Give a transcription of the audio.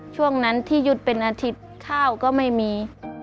ช่วงนั้นที่หยุดเป็นอาทิตย์ข้าวก็ไม่มี